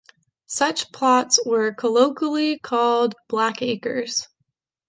Such plots were colloquially called "Blackacres".